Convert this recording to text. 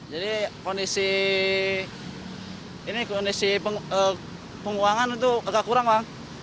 jadi kondisi penguangan itu agak kurang bang